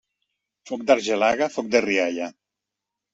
Foc d'argelaga, foc de rialla.